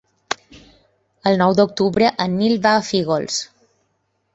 El nou d'octubre en Nil va a Fígols.